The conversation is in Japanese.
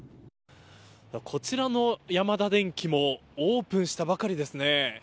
こちらのヤマダデンキもオープンしたばかりですね。